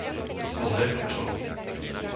Dlhé Klčovo